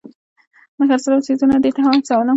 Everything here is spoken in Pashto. د خرڅلاو څیزونه دې ته هڅولم.